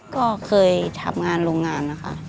ก็เคยทำงานโรงงานนะคะ